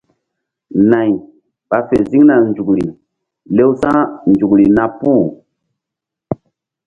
Nay ɓa fe ziŋna nzukri lewsa̧nzukri na puh.